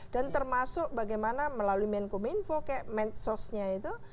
dan termasuk bagaimana melalui menkominfo kayak medsosnya itu